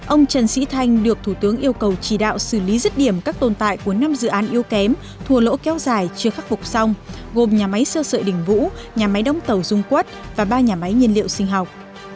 ông trần sĩ thanh được thủ tướng yêu cầu chỉ đạo xử lý rứt điểm các tồn tại của năm dự án yếu kém thùa lỗ kéo dài chưa khắc phục xong gồm nhà máy sơ sợi đình vũ nhà máy đóng tàu dung quất và ba nhà máy nhiên liệu sinh học